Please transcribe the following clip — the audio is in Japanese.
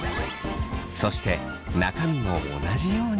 そして中身も同じように。